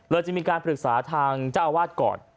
เราก็จะมีการปรึกษาทางเจ้าอวัดก่อน